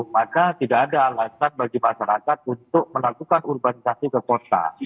maka tidak ada alasan bagi masyarakat untuk melakukan urbanisasi ke kota